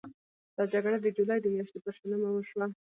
دا جګړه د جولای د میاشتې پر شلمه وشوه.